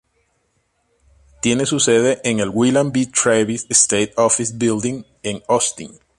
Tiene su sede en el William B. Travis State Office Building en Austin.